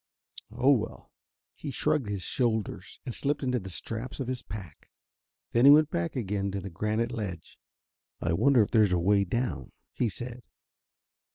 "Oh well " He shrugged his shoulders and slipped into the straps of his pack. Then he went back again to the granite ledge. "I wonder if there's a way down," he said.